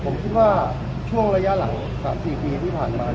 ผมคิดว่าช่วงระยะหลัง๓๔ปีที่ผ่านมา